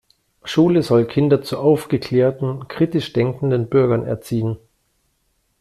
Schule soll Kinder zu aufgeklärten, kritisch denkenden Bürgern erziehen.